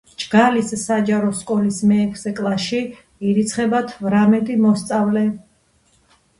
ჯგალის საჯარო სკოლის მეექვსე კლასში ირიცხება თვრამეტი მოსწავლე.